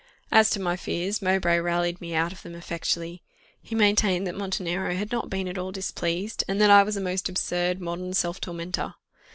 As to my fears, Mowbray rallied me out of them effectually. He maintained that Montenero had not been at all displeased, and that I was a most absurd _modern self tormentor.